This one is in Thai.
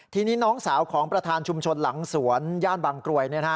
ทีนี้น้องสาวของประธานชุมชนหลังสวนย่านบางกรวย